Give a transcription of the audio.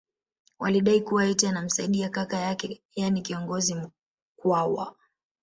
Walidai kuwa eti anamsaidi kaka yake yani kiongozi Mkwawa